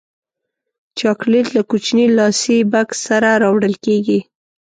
چاکلېټ له کوچني لاسي بکس سره راوړل کېږي.